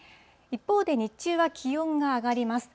一方で日中は気温が上がります。